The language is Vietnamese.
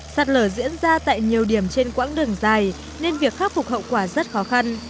sạt lở diễn ra tại nhiều điểm trên quãng đường dài nên việc khắc phục hậu quả rất khó khăn